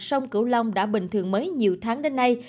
sông cửu long đã bình thường mới nhiều tháng đến nay